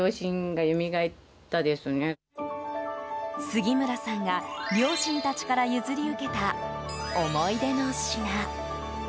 杉村さんが、両親たちから譲り受けた思い出の品。